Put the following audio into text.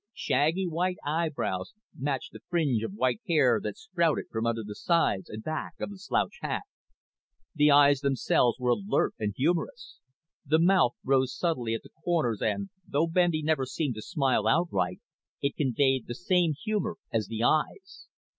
Shaggy white eyebrows matched the fringe of white hair that sprouted from under the sides and back of the slouch hat. The eyes themselves were alert and humorous. The mouth rose subtly at the corners and, though Bendy never seemed to smile outright, it conveyed the same humor as the eyes.